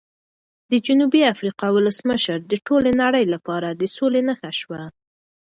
د جنوبي افریقا ولسمشر د ټولې نړۍ لپاره د سولې نښه شو.